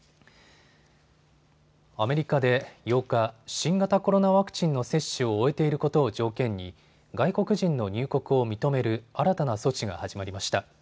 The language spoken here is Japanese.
アメリカで８日、新型コロナワクチンの接種を終えていることを条件に外国人の入国を認める新たな措置が始まりました。